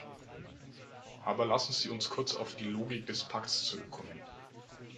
Aber lassen Sie uns kurz auf die Logik des Pakts zurückkommen.